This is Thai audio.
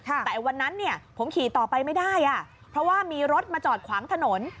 แต่วันนั้นเนี่ยผมขี่ต่อไปไม่ได้เพราะว่ามีรถมาจอดขวางถนน